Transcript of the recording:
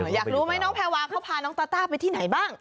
อยากรู้ไหมน้องแพรวาเขาพาน้องตาต้าไปที่ไหนบ้าง